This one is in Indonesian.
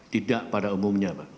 tidak pada umumnya pak